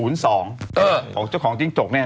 ของจุ๊กนี่๑๐๒นะครับ